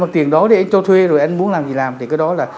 tiền đó để anh cho thuê rồi anh muốn làm gì làm thì cái đó là